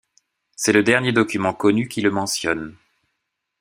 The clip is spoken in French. C'est le dernier document connu qui le mentionne.